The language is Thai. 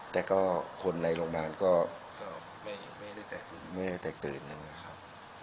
แต่ก็คนในโรงพยาบาลก็ไม่ได้แตกตื่นไม่ได้แตกตื่นนึงครับ